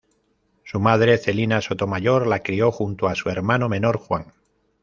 Su madre, Celina Sotomayor la crio junto a su hermano menor, Juan.